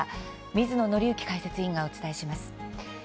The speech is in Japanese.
水野倫之解説委員とお伝えします。